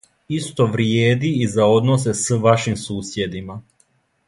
Исто вриједи и за односе с вашим сусједима.